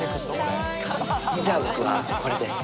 じゃあ僕はこれで。